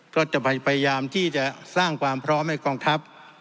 ก็จะพยายามที่จะสร้างความพร้อมให้กองทัพ